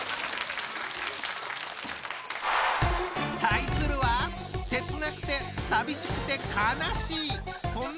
対するは切なくて寂しくて悲しいそんな